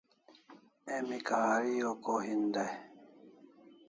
Emi kahari o ko hin dai?